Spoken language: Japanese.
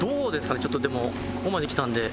ちょっとでもここまで来たので。